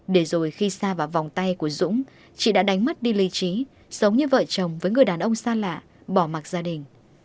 để rồi khi xa vào vòng tay của dũng chị đã đánh mất đi lê trí sống như vợ chồng với người đàn ông xa lạ bỏ mặt gia đình